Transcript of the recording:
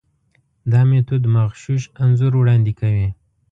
دا میتود مغشوش انځور وړاندې کوي.